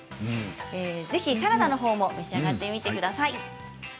ぜひサラダも召し上がってみてください。